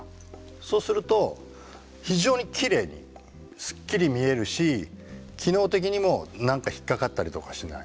そうすると非常にきれいにスッキリ見えるし機能的にも何か引っ掛かったりとかしない。